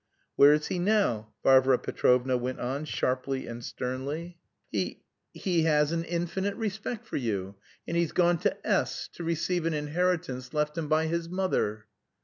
"Where is he now?" Varvara Petrovna went on, sharply and sternly. "He... he has an infinite respect for you, and he's gone to S k, to receive an inheritance left him by his mother."